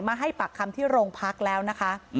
ให้ปากคำที่โรงพักแล้วนะคะ